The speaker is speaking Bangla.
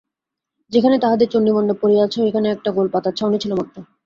যেখানে তাহাদের চণ্ডীমণ্ডপ পড়িয়াছে, ঐখানে একটা গোলপাতার ছাউনি ছিল মাত্র।